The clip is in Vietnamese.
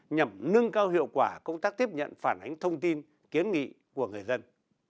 nhằm nâng cao hiệu quả công tác tiếp nhận phản ánh thông tin kiến nghị của người dân